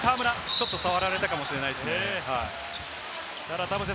ちょっと触られたかもしれないですね。